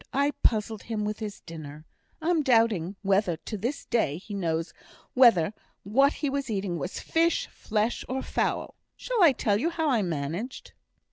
I puzzled him with his dinner. I'm doubting whether to this day he knows whether what he was eating was fish, flesh, or fowl. Shall I tell you how I managed?"